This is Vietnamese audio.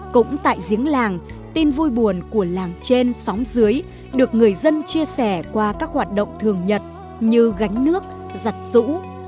cũng tại giếng làng tin vui buồn của làng trên sóng dưới được người dân chia sẻ qua các hoạt động thường nhật như gánh nước giặt rũ